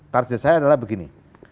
karjus saya adalah begini